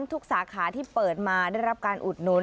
สาขาที่เปิดมาได้รับการอุดหนุน